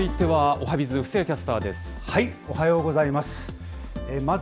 おはようございます。